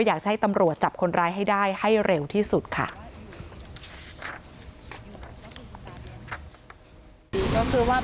อยากจะให้ตำรวจจับคนร้ายให้ได้ให้เร็วที่สุดค่ะ